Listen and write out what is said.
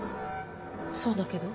そうだけど。